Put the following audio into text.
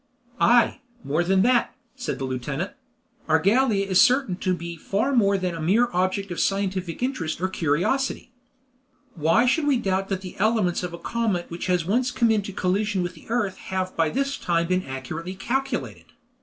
"Ay, more than that," said the lieutenant; "our Gallia is certain to be far more than a mere object of scientific interest or curiosity. Why should we doubt that the elements of a comet which has once come into collision with the earth have by this time been accurately calculated?